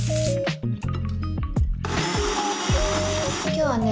今日はね